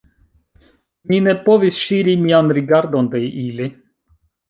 Mi ne povis ŝiri mian rigardon de ili.